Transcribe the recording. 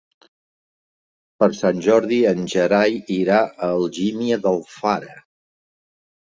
Per Sant Jordi en Gerai irà a Algímia d'Alfara.